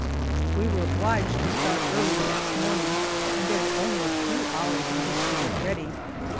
We were obliged to start early the next morning, and there were only a few hours in which to get ready.